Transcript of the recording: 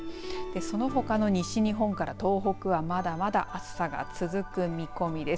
そのほかの西日本から東北はまだまだ暑さが続く見込みです。